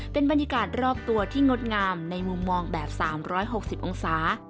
เป็นบรรยากาศรอบตัวที่งดงามในมุมมองแบบ๓๖๐องศา